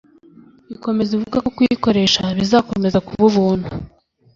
ikomeza ivuga ko kuyikoresha bizakomeza kuba ubuntu